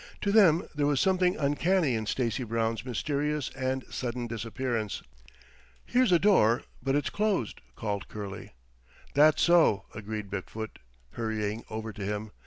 To them there was something uncanny in Stacy Brown's mysterious and sudden disappearance. "Here's a door, but it's closed," called Curley. "That's so," agreed Big foot, hurrying over to him.